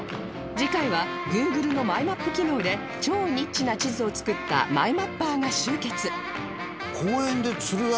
次回は Ｇｏｏｇｌｅ のマイマップ機能で超ニッチな地図を作ったマイマッパーが集結